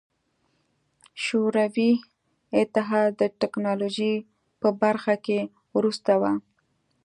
شوروي اتحاد د ټکنالوژۍ په برخه کې وروسته و.